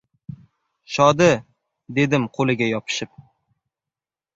— Shodi!— dedim qo‘liga yopishib.